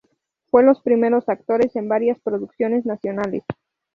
Fue los primeros actores en varias producciones nacionales.